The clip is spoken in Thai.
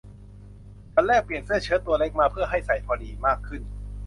ฉันแลกเปลี่ยนเชิ้ตตัวเล็กมาเพื่อให้ใส่พอดีมากขึ้น